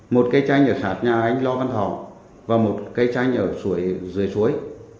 một cái tranh ở sạt nhà anh lô văn thọ và một cái tranh ở dưới suối